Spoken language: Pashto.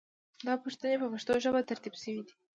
دا پوښتنې په پښتو ژبه ترتیب شوې دي.